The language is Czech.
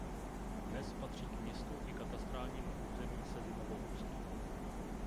Dnes patří k městu i katastrálnímu území Sezimovo Ústí.